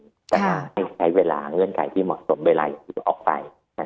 เพราะฉะนั้นใช้เวลาเงื่อนไขที่เหมาะสมเวลาออกไป